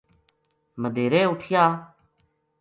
مدیہرے اُٹھیا